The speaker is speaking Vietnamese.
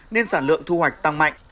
nên sản lượng thu hoạch tăng mạnh